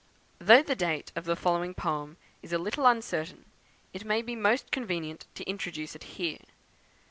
Though the date of the following poem is a little uncertain, it may be most convenient to introduce it here.